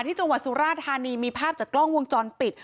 ที่จังหวัดสุราธานีมีภาพจากกล้องวงจรปิด